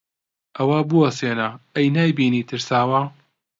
ئەوە بوەستێنە! ئەی نابینی ترساوە؟